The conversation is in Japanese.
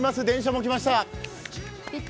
電車も来ました。